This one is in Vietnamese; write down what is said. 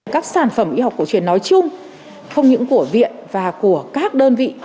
các sản phẩm y học cổ truyền nói chung không những của viện và của các đơn vị